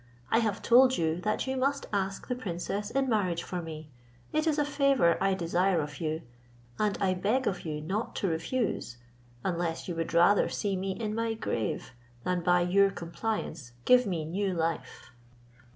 I have told you that you must ask the princess in marriage for me: it is a favour I desire of you, and I beg of you not to refuse, unless you would rather see me in my grave, than by your compliance give me new life."